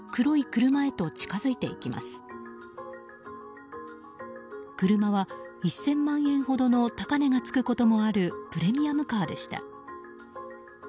車は１０００万円ほどの高値がつくこともあるプレミアムカーでした。